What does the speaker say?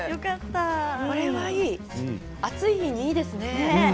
これはいい暑い日にいいですね。